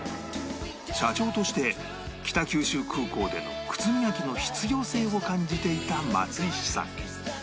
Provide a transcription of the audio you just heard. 社長として北九州空港での靴磨きの必要性を感じていた松石さん